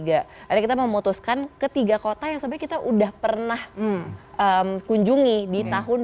akhirnya kita memutuskan ke tiga kota yang sebenarnya kita udah pernah kunjungi di tahun dua ribu